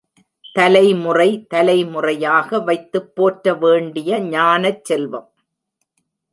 தலைமுறை தலைமுறையாக வைத்துப் போற்ற வேண்டிய ஞானச் செல்வம்.